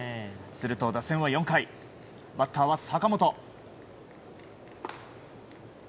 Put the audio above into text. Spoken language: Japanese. すると打線は４回バッターは坂本。